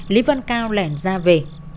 lý văn cao lẻn ra về